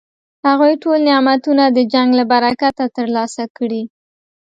هغوی ټول نعمتونه د جنګ له برکته ترلاسه کړي.